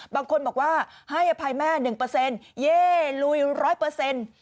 บางคนบอกว่าให้อภัยแม่๑เปอร์เซ็นต์เย่ลุยร้อยเปอร์เซ็นต์